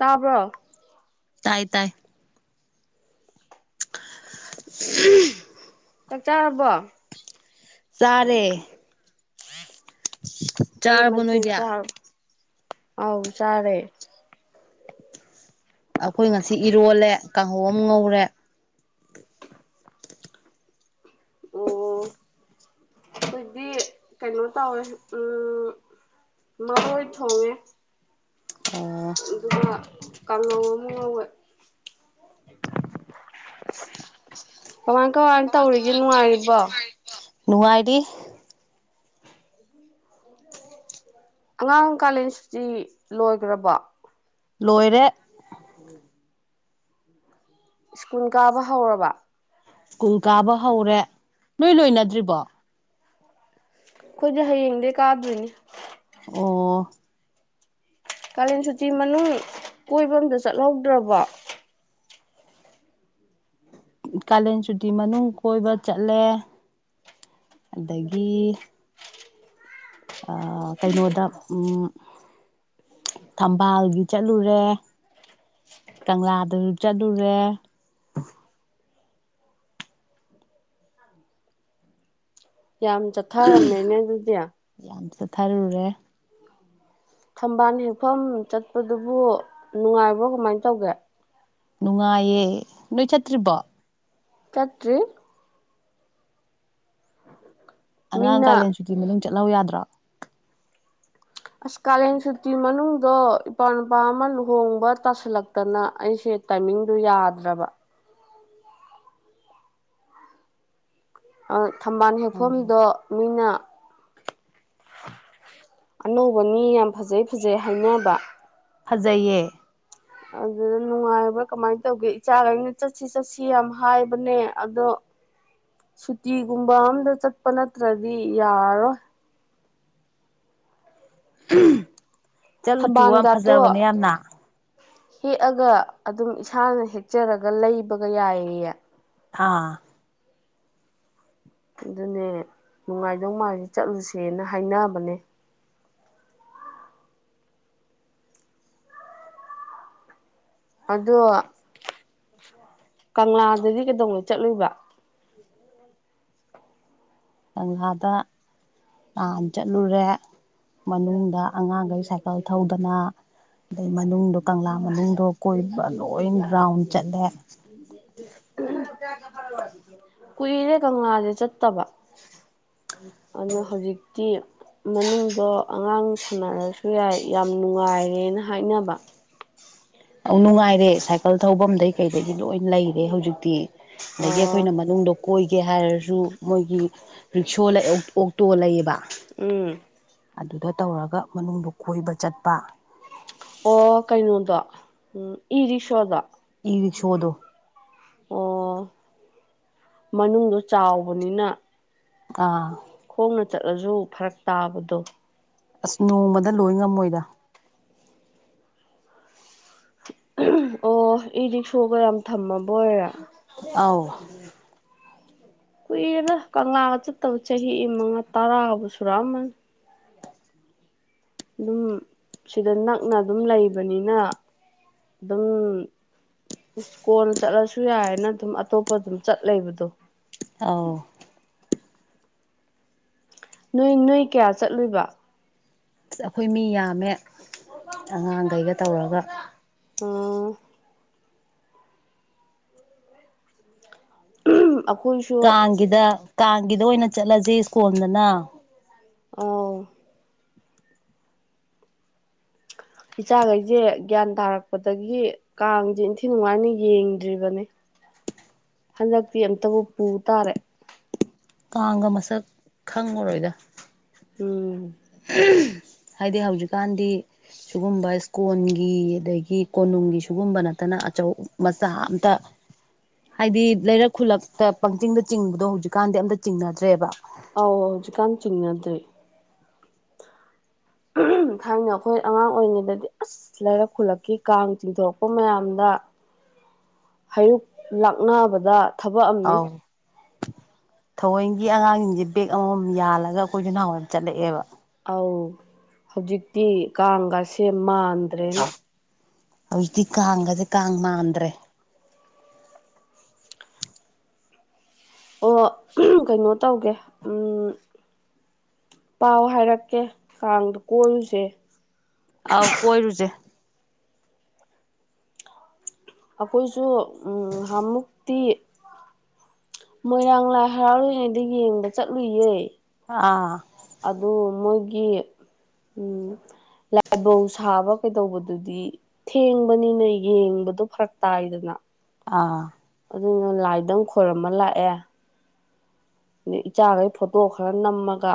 ꯇꯥꯕ꯭ꯔꯣ ꯇꯥꯏ ꯇꯥꯏ [unintelligible] ꯆꯥꯛ ꯆꯥꯔꯕꯣ ꯆꯔꯦ [unintelligible] ꯀꯩ ꯃꯊꯦꯜ ꯅꯣꯏꯗꯤ ꯆꯥꯔꯕ ꯑꯥꯎ ꯆꯥꯔꯦ ꯑꯈꯣꯏ ꯉꯁꯤ ꯏꯔꯣꯜꯂꯦ ꯀꯥꯡꯍꯧ ꯑꯃ ꯉꯧꯔꯦ [unintelligible] ꯑꯈꯣꯏꯗꯤ ꯀꯩꯅꯣ ꯇꯧꯋꯦ ꯎꯝ ꯃꯔꯣꯏ ꯊꯣꯡꯉꯦ ꯑꯣ ꯑꯗꯨꯒ ꯀꯥꯡꯍꯧ ꯑꯃ ꯉꯧꯋꯦ ꯀꯃꯥꯏ ꯀꯃꯥꯏ ꯇꯧꯔꯤꯒꯦ ꯅꯨꯡꯉꯥꯏꯔꯤꯕꯣ ꯅꯨꯡꯉꯥꯏꯗꯤ ꯑꯉꯥꯡ ꯀꯥꯂꯦꯟ ꯁꯨꯇꯤ ꯂꯣꯏꯒ꯭ꯔꯕꯣ ꯂꯣꯏꯔꯦ ꯁ꯭ꯀꯨꯜ ꯀꯥꯕ ꯍꯧꯔꯕ ꯁ꯭ꯀꯨꯜ ꯀꯥꯕ ꯍꯧꯔꯦ ꯅꯣꯏ ꯂꯣꯏꯅꯗ꯭ꯔꯤꯕꯣ ꯑꯈꯣꯏꯗꯤ ꯍꯌꯦꯡꯗꯩ ꯀꯥꯗꯣꯏꯅꯤ ꯑꯣ ꯀꯥꯂꯦꯟ ꯁꯨꯇꯤ ꯃꯅꯨꯡ ꯀꯣꯏꯕ ꯑꯝꯇ ꯆꯠꯍꯧꯗ꯭ꯔꯕꯣ ꯀꯥꯂꯦꯟ ꯁꯨꯇꯤ ꯃꯅꯨꯡ ꯀꯣꯏꯕ ꯆꯠꯂꯦ ꯑꯗꯒꯤ ꯑꯥ ꯀꯩꯅꯣꯗ ꯎꯝ ꯊꯝꯕꯥꯜꯒꯤ ꯆꯠꯂꯨꯔꯦ ꯀꯪꯂꯥꯗꯁꯨ ꯆꯠꯂꯨꯔꯦ ꯌꯥꯝ ꯆꯠꯊꯔꯝꯃꯦꯅꯦ ꯑꯗꯨꯗꯤ ꯌꯥꯝ ꯆꯠꯊꯔꯨꯔꯦ ꯊꯝꯕꯥꯜ ꯍꯦꯛꯐꯝ ꯆꯠꯄꯗꯨꯕꯨ ꯅꯨꯡꯉꯥꯏꯕ꯭ꯔꯣ ꯀꯃꯥꯏꯅ ꯇꯧꯒꯦ ꯅꯨꯡꯉꯥꯏꯌꯦ ꯅꯣꯏ ꯆꯠꯇ꯭ꯔꯤꯕꯣ ꯆꯠꯇ꯭ꯔꯤ ꯑꯉꯥꯡ ꯃꯤꯅ ꯀꯥꯂꯦꯟ ꯁꯨꯇꯤ ꯃꯅꯨꯡ ꯆꯠꯍꯧ ꯌꯥꯗ꯭ꯔꯣ ꯑꯁ ꯀꯥꯂꯦꯟ ꯁꯨꯇꯤ ꯃꯅꯨꯡꯗꯣ ꯏꯄ꯭ꯋꯥ ꯅꯨꯨꯄꯥ ꯑꯃ ꯂꯨꯍꯣꯡꯕ ꯇꯥꯁꯤꯜꯂꯛꯇꯅ ꯑꯩꯁꯦ ꯇꯥꯏꯃꯤꯡꯗꯨ ꯌꯥꯗ꯭ꯔꯕ ꯑꯥ ꯊꯝꯕꯥꯜ ꯑꯣ ꯍꯦꯛꯐꯝꯗꯣ ꯃꯤꯅ ꯑꯅꯧꯕꯅꯤ ꯌꯥꯝ ꯐꯖꯩ ꯐꯖꯩ ꯍꯥꯏꯅꯕ ꯐꯖꯩꯌꯦ ꯑꯗꯨꯗ ꯅꯨꯡꯉꯥꯏꯕ꯭ꯔꯥ ꯀꯃꯥꯏꯅ ꯇꯧꯒꯦ ꯏꯆꯥꯈꯩꯅ ꯆꯠꯁꯤ ꯆꯠꯁꯤ ꯌꯥꯝ ꯍꯥꯏꯕꯅꯦ ꯑꯗꯣ [inaudible] ꯁꯨꯇꯤꯒꯨꯝꯕ ꯑꯝꯗ ꯆꯠꯄ ꯅꯠꯇ꯭ꯔꯗꯤ ꯌꯥꯔꯔꯣꯏ ꯆꯠꯂꯨꯆꯨ ꯌꯥꯝ ꯊꯝꯕꯥꯜꯒꯥꯇꯣ ꯐꯖꯕꯅꯦ ꯌꯥꯝꯅ ꯍꯦꯛꯑꯒ ꯑꯗꯨꯝ ꯏꯁꯥꯅ ꯍꯦꯛꯆꯔꯒ ꯂꯩꯕꯒ ꯌꯥꯏꯌꯦꯌꯦ ꯑꯥ ꯑꯗꯨꯅꯦ ꯅꯨꯡꯉꯥꯏꯗꯧ ꯃꯥꯜꯂꯤ ꯆꯠꯂꯨꯁꯦꯅ ꯍꯥꯏꯅꯕꯅꯦ ꯑꯗꯣ ꯀꯪꯂꯥꯗꯗꯤ ꯀꯩꯗꯧꯉꯩ ꯆꯠꯂꯨꯏꯕ ꯀꯪꯂꯥꯗ ꯅꯍꯥꯟ ꯆꯠꯂꯨꯔꯦ ꯃꯅꯨꯡꯗ ꯑꯉꯥꯡꯈꯩ ꯁꯥꯏꯀꯜ ꯊꯧꯗꯅ ꯑꯗꯩ ꯃꯅꯨꯡꯗꯣ ꯀꯪꯂꯥ ꯃꯅꯨꯡꯗꯣ ꯀꯣꯏꯕ ꯂꯣꯏ ꯔꯥꯎꯟ ꯆꯠꯂꯦ [unintelligible] [unintelligible] ꯀꯨꯏꯔꯦ ꯀꯪꯂꯥꯁꯦ ꯆꯠꯇꯕ ꯑꯗꯣ ꯍꯧꯖꯤꯛꯇꯤ ꯃꯅꯨꯡꯗꯣ ꯑꯉꯥꯡ ꯁꯥꯟꯅꯔꯁꯨ ꯌꯥꯏ ꯌꯥꯝ ꯅꯨꯡꯉꯥꯏꯔꯦꯅ ꯍꯥꯏꯅꯕ ꯑꯧ ꯅꯨꯡꯉꯥꯏꯔꯦ ꯁꯥꯏꯀꯜ ꯊꯧꯐꯝꯗꯩ ꯀꯩꯗꯒꯤ ꯂꯣꯏ ꯂꯩꯔꯦ ꯍꯧꯖꯤꯛꯇꯤ ꯑꯗꯒꯤ ꯑꯣ ꯑꯩꯈꯣꯏꯅ ꯃꯅꯨꯡꯗꯣ ꯑꯣꯏꯒꯦ ꯍꯥꯏꯔꯁꯨ ꯃꯣꯏꯒꯤ ꯔꯤꯛꯁꯣ ꯑꯣꯛꯇꯣ ꯂꯩꯌꯦꯕ ꯎꯝ ꯑꯗꯨꯗ ꯇꯧꯔꯒ ꯃꯅꯨꯡꯕꯨꯛ ꯀꯣꯏꯕ ꯆꯠꯄ ꯑꯣ ꯀꯩꯅꯣꯗꫭ ꯏ ꯔꯤꯛꯁꯣꯗꫭ ꯏ ꯔꯤꯁꯣꯗꯣ ꯑꯣ ꯃꯅꯨꯡꯗꯣ ꯆꯥꯎꯕꯅꯤꯅ ꯑꯥ ꯈꯣꯡꯅ ꯆꯠꯂꯁꯨ ꯐꯔꯛ ꯇꯥꯕꯗꯣ ꯑꯁ ꯅꯣꯡꯃꯗ ꯂꯣꯏ ꯉꯝꯃꯣꯏꯗ ꯑꯣ ꯏ ꯔꯤꯛꯁꯣꯒ ꯌꯥꯝ ꯊꯝꯃꯕ ꯑꯣꯏꯔꯦ ꯑꯥꯎ ꯀꯨꯏꯔ‌ꯦꯗ ꯀꯪꯂꯥꯒ ꯆꯠꯇꯕ ꯆꯍꯤ ꯃꯉꯥ ꯇꯔꯥꯕꯨ ꯁꯨꯔꯛꯑꯃꯅꯤ ꯑꯗꯨꯝ ꯁꯤꯗ ꯅꯛꯅ ꯑꯗꯨꯝ ꯂꯩꯕꯅꯤꯅ ꯑꯗꯨꯝ ꯏꯀꯣꯟꯅ ꯆꯠꯂꯁꯨ ꯌꯥꯔ‌ꯦꯅ ꯑꯗꯨꯝ ꯑꯇꯣꯞꯄ ꯑꯗꯨꯝ ꯆꯠ ꯂꯩꯕꯗꯣ ꯑꫭ ꯅꯣꯏ ꯅꯣꯏ ꯀꯌꯥ ꯆꯠꯂꯨꯏꯕ ꯑꯁ ꯑꯩꯈꯣꯏ ꯃꯤ ꯌꯥꯝꯃꯦ ꯑꯉꯥꯡꯈꯩꯒ ꯇꯧꯔꯒ ꯎꯝ ꯭ꯔ [inaudible] ꯑꯩꯈꯣꯏꯁꯨ ꯒꯤꯗ ꯀꯥꯡꯒꯤꯗ ꯑꯣꯏꯅ ꯆꯠꯂꯁꯤ ꯏꯁ꯭ꯀꯣꯟꯜꯗꯅ ꯑꯥꯎ ꯏꯆꯥꯈꯩꯁꯦ ꯒ꯭ꯌꯥꯟ ꯇꯥꯔꯛꯄꯗꯒꯤ ꯀꯥꯡꯁꯦ ꯏꯟꯊꯤ ꯅꯨꯡꯉꯥꯏꯅ ꯌꯦꯡꯗ꯭ꯔꯤꯕꯅꯦ ꯍꯟꯗꯛꯇꯤ ꯑꯝꯇꯕꯨ ꯄꯨ ꯇꯥꯔꯦ ꯀꯥꯡꯒ ꯃꯁꯛ ꯈꯪꯉꯨꯔꯣꯏꯗ ꯎꯝ ꯍꯥꯏꯗꯤ ꯍꯧꯖꯤꯛꯀꯥꯟꯗꯤ ꯁꯤꯨꯒꯨꯝꯕ ꯏꯁ꯭ꯀꯣꯟꯒꯤ ꯑꯗꯒꯤ ꯀꯣꯅꯨꯡꯒꯤ ꯁꯤꯒꯨꯝꯕ ꯅꯠꯇꯅ ꯑꯆꯧ ꯃꯆꯥ ꯑꯝꯇꯥ ꯍꯥꯏꯗꯤ ꯂꯩꯔꯛ ꯈꯨꯜꯂꯛꯇ ꯄꯪꯆꯤꯡꯗ ꯆꯤꯡꯕꯗꯣ ꯍꯧꯖꯤꯛꯀꯥꯟꯗꯤ ꯑꯝꯇ ꯆꯤꯡꯅꯗ꯭ꯔꯦꯕ ꯑꯧ ꯍꯧꯖꯤꯛꯀꯥꯟ ꯆꯤꯡꯅꯗ꯭ꯔ‌ꯦ ꯊꯥꯏꯅ ꯑꯩꯈꯣꯏ ꯑꯉꯥꯡ ꯑꯣꯏꯔꯤꯉꯩꯗꯗꯤ ꯑꯁ ꯂꯩꯔꯛ ꯈꯨꯜꯂꯛꯀꯤ ꯀꯥꯡ ꯆꯤꯡꯊꯣꯔꯛꯄ ꯃꯌꯥꯝꯗ ꯍꯩꯔꯨꯛ ꯂꯥꯛꯅꯕꯗ ꯊꯕꯛ ꯑꯃꯅꯤ ꯑꯥꯎ ꯊꯑꯣꯏꯒꯤ ꯑꯉꯥꯡꯁꯤꯡꯁꯦ ꯕꯦꯛ ꯑꯃꯃꯝ ꯌꯥꯜꯂꯒ ꯑꯩꯈꯣꯏꯁꯨ ꯅꯍꯥꯟꯋꯥꯏꯝ ꯆꯠꯂꯛꯑꯦꯕ ꯑꯧ ꯍꯧꯖꯤꯛꯇꯤ ꯀꯥꯡꯒꯥꯁꯦ ꯃꯥꯟ ꯍꯧꯖꯤꯛꯇꯤ ꯀꯥꯡꯒꯁꯦ ꯀꯥꯡ ꯃꯥꯟꯗ꯭ꯔꯦ ꯑꯣ ꯀꯩꯅꯣ ꯇꯧꯒꯦ ꯎꯝ ꯄꯥꯎ ꯍꯥꯏꯔꯛꯀꯦ ꯀꯥꯡꯗꯨ ꯀꯣꯏꯔꯨꯁꯦ ꯑꯥꯎ ꯀꯣꯏꯔꯨꯁꯦ ꯑꯩꯈꯣꯏꯁꯨ ꯎꯝ ꯉꯍꯥꯟꯃꯨꯛꯇꯤ ꯃꯣꯏꯔꯥꯡ ꯂꯥꯏ ꯍꯔꯥꯎꯔꯤꯉꯩꯗ ꯌꯦꯡꯕ ꯆꯠꯂꯨꯏꯌꯦ ꯑꯥ ꯑꯗꯨ ꯃꯣꯏꯒꯤ ꯎꯝ ꯂꯥꯏꯕꯧ ꯁꯥꯕ ꯀꯩꯗꯧꯕꯗꯨꯗꯤ ꯊꯦꯡꯕꯅꯤꯅ ꯌꯦꯡꯕꯗꯣ ꯐꯔꯛ ꯇꯥꯏꯗꯅ ꯑꯥ ꯑꯗꯨꯅ ꯂꯥꯏꯗꯪ ꯈꯣꯏꯔꯃ ꯂꯥꯛꯑꯦ ꯑꯗꯩ ꯏꯆꯥꯈꯩ ꯐꯣꯇꯣ ꯈꯔ ꯅꯝꯃꯒ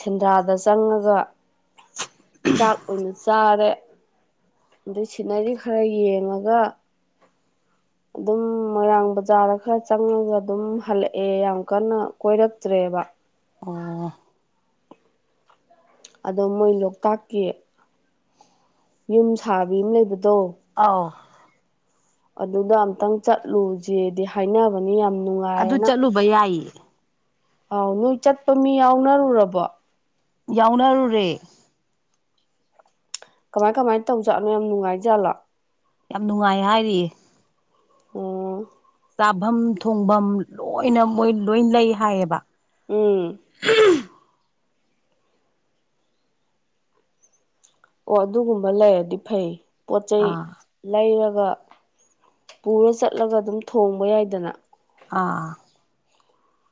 ꯁꯦꯟꯗ꯭ꯔꯥꯗ ꯆꯪꯉꯒ ꯆꯥꯛ ꯑꯣꯏꯅ ꯆꯥꯔꯦ ꯑꯗꯩ ꯁꯤꯅꯔꯤ ꯈꯔ ꯌꯦꯡꯉꯒ [inaudible] ꯑꯗꯨꯝ ꯃꯣꯏꯔꯥꯡ ꯕꯖꯥꯔꯗ ꯈꯔ ꯆꯪꯉꯒ ꯑꯗꯨꯝ ꯍꯜꯂꯛꯑꯦ ꯌꯥꯝ ꯀꯟꯅ ꯀꯣꯏꯔꯛꯇ꯭ꯔꯦꯕ ꯑꯣ ꯑꯗꯣ ꯃꯣꯏ ꯂꯣꯛꯇꯥꯛꯀꯤ ꯌꯨꯝ ꯁꯥꯕꯤ ꯑꯃ ꯂꯩꯕꯗꯣ ꯑꯥꯎ ꯑꯗꯨꯗ ꯑꯝꯇꯪ ꯆꯠꯂꯨꯁꯦꯗꯤ ꯍꯥꯏꯅꯕꯅꯤ ꯌꯥꯝ ꯑꯗꯨ ꯅꯨꯡꯉꯥꯏꯌꯦꯅ ꯆꯠꯂꯨꯕ ꯌꯥꯏꯌꯦ ꯑꯥꯎ ꯅꯣꯏ ꯆꯠꯄ ꯃꯤ ꯌꯥꯎꯅꯔꯨꯔꯕꯣ ꯌꯥꯎꯅꯔꯨꯔꯦ ꯀꯃꯥꯏ ꯀꯃꯥꯏ ꯇꯧꯖꯥꯠꯅꯣ ꯌꯥꯝ ꯅꯨꯡꯉꯥꯏꯖꯥꯠꯂꯥ ꯌꯥꯝ ꯅꯨꯡꯉꯥꯏ ꯍꯥꯏꯔꯤꯌꯦ ꯑꯣ ꯆꯥꯐꯝ ꯊꯣꯡꯐꯝ ꯂꯣꯏꯅ ꯃꯣꯏ ꯂꯣꯏ ꯂꯩ ꯍꯥꯏꯌꯦꯕ ꯎꯝ ꯑꯣ ꯑꯗꯨꯒꯨꯝꯕ ꯂꯩꯔꯗꯤ ꯐꯩ ꯄꯣꯠ ꯆꯩꯩ ꯑꯥ ꯂꯩꯔꯒ ꯄꯨꯔ ꯆꯠꯂꯒ ꯑꯗꯨꯝ ꯊꯣꯡꯕ ꯌꯥꯏꯗꯅ ꯑꯥ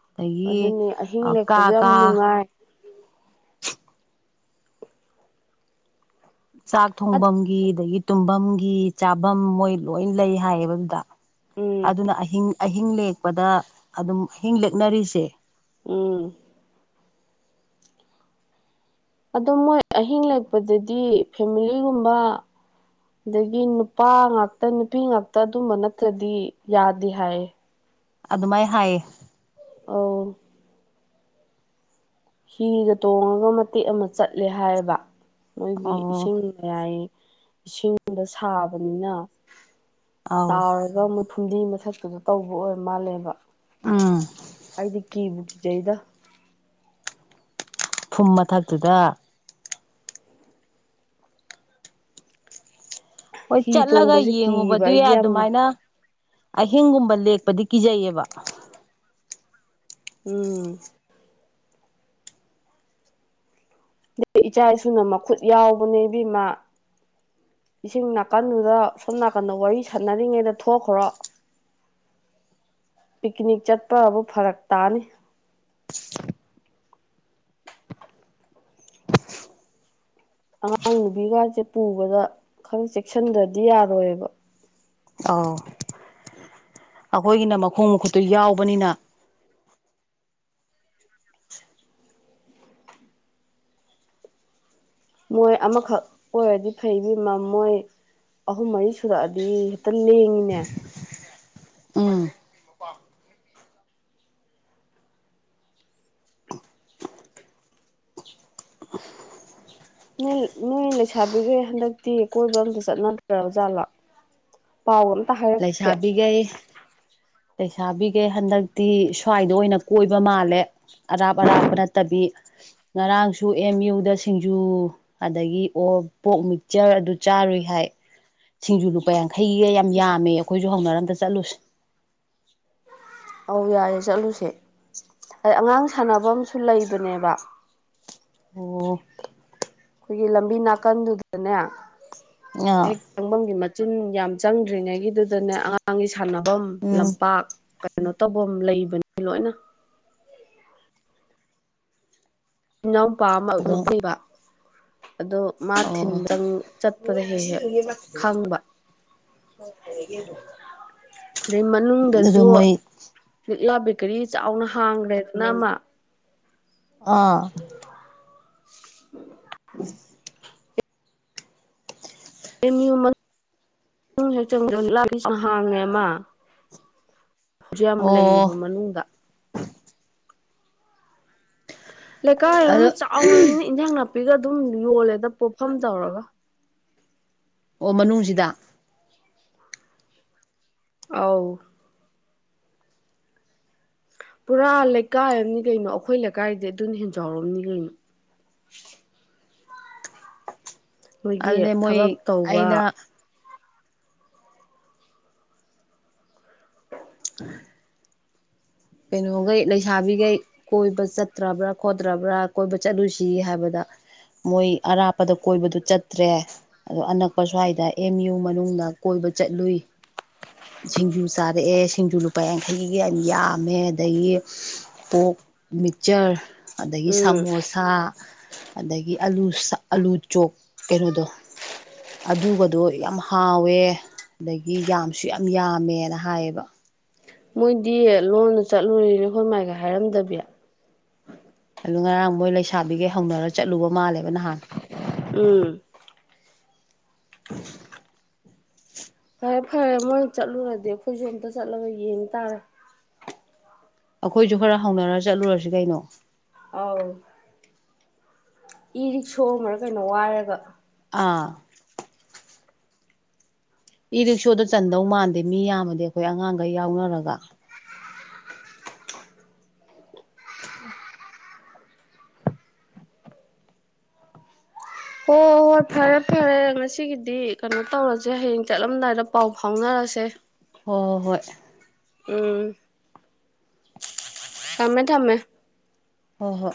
ꯑꯗꯒꯤ ꯑꯗꯨꯅꯤ ꯑꯍꯤꯡ ꯀꯥ ꯂꯦꯛꯄꯗꯣ ꯌꯥꯝ ꯀꯥ ꯅꯨꯡꯉꯥꯏ ꯆꯥꯛ ꯊꯣꯡꯐꯝꯒꯤ ꯑꯗꯒꯤ ꯇꯨꯝꯐꯝꯒꯤ ꯆꯥꯐꯝ ꯃꯣꯏ ꯂꯣꯏ ꯂꯩ ꯍꯥꯏꯌꯦꯕ ꯑꯗꯨꯗ ꯎꯝ ꯑꯗꯨꯅ ꯑꯍꯤꯡ ꯑꯍꯤꯡ ꯂꯦꯛꯄꯗ ꯑꯗꯨꯝ ꯑꯍꯤꯡ ꯂꯦꯛꯅꯔꯤꯁꯦ ꯎꯝ ꯑꯗꯣ ꯃꯣꯏ ꯑꯍꯤꯡ ꯂꯦꯛꯄꯗꯗꯤ ꯐꯦꯃꯤꯂꯤꯒꯨꯝꯕ ꯑꯗꯒꯤ ꯅꯨꯄꯥ ꯉꯥꯛꯇ ꯅꯨꯄꯤ ꯉꯥꯛꯇ ꯑꯗꯨꯝꯕ ꯅꯠꯇ꯭ꯔꯗꯤ ꯌꯥꯗꯦ ꯍꯥꯏꯌꯦ ꯑꯗꯨꯃꯥꯏꯅ ꯍꯥꯏꯌꯦ ꯑꯥꯎ ꯍꯤꯒ ꯇꯣꯡꯉꯒ ꯃꯇꯦꯛ ꯑꯃ ꯆꯠꯂꯦ ꯍꯥꯏꯌꯦꯕ ꯃꯣꯏꯒꯤ ꯑꯣ ꯏꯁꯤꯡ ꯃꯌꯥꯏ ꯏꯁꯤꯡꯗ ꯁꯥꯕꯅꯤꯅ ꯑꯧ ꯇꯥꯎꯔꯒ ꯃꯣꯏ ꯐꯨꯝꯗꯤ ꯃꯊꯛꯇꯨꯗ ꯇꯧꯕ ꯑꯣꯏ ꯃꯥꯜꯂꯦꯕ ꯎꯝ ꯑꯩꯗꯤ ꯀꯤꯕꯨ ꯀꯤꯖꯩꯗ ꯐꯨꯝ ꯃꯊꯛꯇꯨꯗ ꯍꯣꯏ ꯍꯤ ꯆꯠꯂꯒ ꯇꯣꯡꯕꯁꯦ ꯀꯤꯕ ꯌꯦꯡꯉꯨꯕꯗꯨ ꯌꯥꯏ ꯑꯩꯗꯤ ꯌꯥꯝꯅ ꯑꯗꯨꯃꯥꯏꯅ ꯑꯍꯤꯡꯒꯨꯝꯕ ꯂꯦꯛꯄꯗꯤ ꯀꯤꯖꯩꯌꯦꯕ ꯎꯝ ꯏꯆꯥ ꯏꯁꯨꯅ ꯃꯈꯨꯠ ꯌꯥꯎꯕꯅꯦ ꯏꯕꯦꯃꯥ ꯏꯁꯤꯡ ꯅꯥꯀꯟꯗꯨꯗ ꯁꯣꯝ ꯅꯥꯀꯟꯗ ꯋꯥꯔꯤ ꯁꯥꯟꯅꯔꯤꯉꯩꯗ ꯊꯣꯛꯈ꯭ꯔꯣ ꯄꯤꯛꯅꯤꯛ ꯆꯠꯄꯕꯨ ꯐꯔꯛ ꯇꯥꯅꯤ ꯑꯉꯥꯡ ꯅꯨꯕꯤꯒꯥꯁꯦ ꯄꯨꯕꯗ ꯈꯔ ꯆꯦꯛꯁꯤꯟꯗ꯭ꯔꯗꯤ ꯌꯥꯔꯣꯏꯕ ꯑꯥꯎ ꯑꯩꯈꯣꯏꯒꯤꯅ ꯃꯈꯣꯡ ꯃꯈꯨꯠꯇꯨ ꯌꯥꯎꯕꯅꯤꯅ ꯃꯣꯏ ꯑꯃꯈꯛ ꯑꯣꯏꯔꯗꯤ ꯐꯩꯕꯤꯃ ꯃꯣꯏ ꯑꯍꯨꯝ ꯃꯔꯤ ꯁꯨꯔꯛꯑꯗꯤ ꯍꯦꯛꯇ ꯂꯦꯡꯉꯤꯅꯦ ꯎꯝ ꯅꯣꯏ ꯅꯣꯏ ꯂꯩꯁꯥꯕꯤꯈꯦ ꯍꯟꯗꯛꯇꯤ ꯀꯣꯏꯕ ꯑꯝꯇ ꯆꯠꯅꯗ꯭ꯔꯥ ꯖꯥꯂꯣ ꯄꯥꯎ ꯑꯝ ꯇ ꯍꯥꯏ ꯁꯥꯕꯤꯒꯩ ꯂꯩꯩꯁꯥꯕꯤꯒꯦ ꯍꯟꯗꯛꯇꯤ ꯁ꯭ꯋꯥꯏꯗ ꯑꯣꯏꯅ ꯀꯣꯏꯕ ꯃꯥꯜꯂꯦ ꯑꯔꯥꯞ ꯑꯔꯥꯞꯄ ꯅꯠꯇꯕꯤ ꯉꯔꯥꯡꯁꯨ ꯑꯦꯝ ꯌꯨꯗ ꯁꯤꯡꯖꯨ ꯑꯗꯒꯤ ꯑꯣ ꯄꯣꯛ ꯃꯤꯛꯆ꯭ꯔ ꯑꯗꯨ ꯆꯥꯔꯨꯏ ꯍꯥꯏ ꯁꯤꯡꯖꯨ ꯂꯨꯄꯥ ꯌꯥꯡꯈꯩꯒꯤꯌ ꯌꯥꯝꯃꯦ ꯑꯈꯣꯏꯁꯨ ꯍꯧꯅꯔꯝꯗ ꯆꯠꯂꯨꯁꯦ ꯑꯧ ꯌꯥꯔꯦ ꯆꯠꯂꯨꯁꯦ ꯑ ꯑꯉꯥꯡ ꯁꯥꯟꯅꯕꯝꯁꯨ ꯂꯩꯕꯅꯦꯕ ꯑꯣ ꯈꯣꯏꯒꯤ ꯂꯝꯕꯤ ꯅꯥꯀꯟꯗꯨꯗꯅꯦ ꯑ ꯍꯦꯛ ꯆꯪꯐꯝꯒꯤ ꯃꯆꯤꯟ ꯌꯥꯝ ꯆꯪꯗ꯭ꯔꯤꯉꯩꯒꯤꯗꯨꯗꯅꯦ ꯑꯉꯥꯡꯒꯤ ꯁꯥꯟꯅꯐꯝ ꯎꯝ ꯂꯝꯄꯥꯛ ꯀ ꯀꯅꯣ ꯇꯧꯕꯝ ꯂꯩꯕꯅꯦ ꯂꯣꯏꯅ ꯏꯅꯥꯎꯄꯥ ꯑꯃ ꯑꯗꯣ ꯅꯨꯄꯤꯕ ꯑꯗꯣ ꯃꯥ ꯊꯤꯟ ꯑꯣ ꯆꯪ ꯆꯠꯄꯗ ꯍꯦꯛ ꯍꯦꯛ ꯈꯪꯕ [inaudible] ꯑꯗꯩ ꯑꯗꯨ ꯃꯅꯨꯡꯗꯖꯨ ꯃꯣꯏ ꯂꯤꯛꯂꯥ ꯕꯦꯀꯔꯤ ꯆꯥꯎꯅ ꯍꯥꯡꯈ꯭ꯔꯦꯗꯅ ꯑꯃ ꯑꯥ ꯑꯦꯝ ꯌꯨ ꯃ [inaudible] ꯍꯥꯡꯉꯦꯃ ꯍꯧꯖꯤ ꯌꯝ ꯂꯩꯕ ꯑꯣ ꯃꯅꯨꯡꯗ ꯂꯩꯀꯥꯏ ꯑꯗꯣ ꯑꯃ ꯆꯥꯎꯅꯅꯤꯅ ꯏꯟꯖꯥꯡ ꯅꯥꯄꯤꯒ ꯑꯗꯨꯝ ꯌꯣꯜꯂꯦꯗ ꯄꯣꯠꯐꯝ ꯇꯧꯔꯒ ꯑꯣ ꯃꯅꯨꯡꯖꯤꯗ ꯑꯥꯎ ꯄꯨꯔꯥ ꯂꯩꯀꯥꯏ ꯑꯃꯅꯤꯅꯤ ꯀꯩꯅꯣ ꯑꯩꯈꯣꯏ ꯂꯩꯀꯥꯏꯗꯤ ꯑꯗꯨꯅ ꯍꯦꯟ ꯆꯥꯎꯔꯝꯅꯤ ꯒꯩꯅꯣ ꯃꯣꯏꯒꯤ ꯑꯗꯨꯅꯦ ꯃꯣꯏ ꯊꯕꯛ ꯇꯧꯕ ꯑꯩꯅ ꯎ ꯀꯩꯅꯣꯒꯩ ꯂꯩꯁꯥꯕꯤꯒꯩ ꯀꯣꯏꯕ ꯆꯠꯇ꯭ꯔꯕ꯭ꯔꯥ ꯈꯣꯠꯇ꯭ꯔꯕ꯭ꯔꯥ ꯀꯣꯏꯕ ꯆꯠꯂꯨꯁꯤ ꯍꯥꯏꯕꯗ ꯃꯣꯏ ꯑꯔꯥꯞꯄꯗ ꯀꯣꯏꯕꯗꯨ ꯆꯠꯇ꯭ꯔꯦ ꯑꯗꯣ ꯑꯅꯛꯄ ꯁ꯭ꯋꯥꯏꯗ ꯑꯦꯝ ꯌꯨ ꯃꯅꯨꯡꯗ ꯀꯣꯏꯕ ꯆꯠꯂꯨꯏ ꯁꯤꯡꯖꯨ ꯆꯥꯔꯛꯑꯦ ꯁꯤꯡꯖꯨ ꯂꯨꯄꯥ ꯌꯥꯡꯈꯩꯒꯤ ꯌꯝ ꯌꯝ ꯃꯦ ꯑꯗꯒꯤ ꯄꯣꯛ ꯃꯤꯛꯆ꯭ꯔ ꯑꯗꯒꯤ ꯎꯝ ꯁꯃꯣꯁꯥ ꯑꯗꯒꯤ ꯑꯗꯒꯤ ꯑꯂꯨ ꯁ ꯑꯂꯩ ꯆꯣꯛ ꯀꯩꯅꯣꯗꯣ ꯑꯗꯨꯒꯗꯣ ꯌꯥꯝ ꯍꯥꯎꯋꯦ ꯑꯗꯒꯤ ꯌꯥꯝꯁꯨ ꯌꯥꯝ ꯌꯥꯝꯃꯦꯅ ꯍꯥꯏꯌꯦꯕ ꯃꯣꯏꯗꯤ ꯂꯣꯟꯅ ꯆꯠꯂꯨꯔꯤꯔ ꯍꯣꯏ ꯃꯥꯏꯒ ꯍꯥꯏꯔꯝꯗꯕꯤ ꯑꯗꯨ ꯉꯔꯥꯡ ꯃꯣꯏ ꯂꯩꯁꯥꯕꯤꯒꯩ ꯍꯧꯅꯔ ꯆꯠꯂꯨꯕ ꯃꯥꯜꯂꯦꯕ ꯅꯍꯥꯟ ꯎꯝ ꯑ ꯐꯔꯦ ꯐꯔꯦ ꯃꯣꯏ ꯆꯠꯂꯨꯔꯗꯤ ꯑꯈꯣꯏꯁꯨ ꯑꯝꯇ ꯆꯠꯂꯒ ꯌꯦꯡ ꯇꯥꯔꯦ ꯑꯈꯣꯏꯖꯨ ꯈꯔ ꯍꯧꯅꯔ ꯆꯠꯂꯨꯔꯁꯤ ꯀꯩꯅꯣ ꯑꯥꯎ ꯏ ꯔꯤꯛꯁꯣ ꯑꯃꯔ ꯀꯩꯅꯣ ꯋꯥꯏꯔꯒ ꯑꯥ ꯏ ꯔꯤꯛꯁꯣꯗ ꯆꯟꯗꯧ ꯃꯥꯟꯗꯦ ꯃꯤ ꯌꯥꯝꯃꯗꯤ ꯑꯩꯈꯣꯏ ꯑꯉꯥꯡꯒꯩ ꯌꯥꯎꯅꯔꯒ [inaudible] [unintelligible] ꯍꯣꯏ ꯐꯔꯦ ꯐꯔꯦ ꯉꯁꯤꯒꯤꯗꯤ ꯀꯩꯅꯣ ꯇꯧꯔꯁꯦ ꯍꯌꯦꯡ ꯆꯠꯂꯝꯗꯥꯏꯗ ꯄꯥꯎ ꯐꯥꯎꯅꯔꯁꯦ ꯍꯣꯏ ꯍꯣꯏ ꯍꯣꯏ ꯎꯝ ꯊꯝꯃꯦ ꯊꯝꯃꯦ ꯍꯣꯏ ꯍꯣꯏ